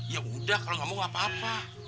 ya udah kalau gak mau gak apa apa